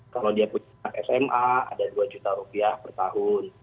kalau dia punya anak sma ada rp dua per tahun